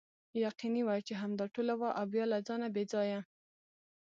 یقیني وه چې همدا ټوله وه او بیا له ځانه بې ځایه.